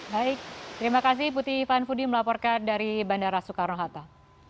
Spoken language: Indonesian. baik terima kasih putri van fudi melaporkan dari bandara soekarno hatta